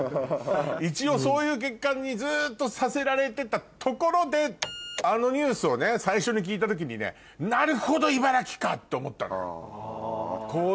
一応そういう結果にずっとさせられてたところであのニュースを最初に聞いた時にね。って思ったのよ。